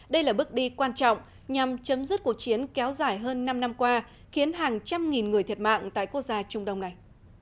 đây là bước đi quan trọng nhằm chấm dứt cuộc chiến kéo dài hơn năm năm qua khiến hàng trăm nghìn người thiệt mạng tại quốc gia trung đông này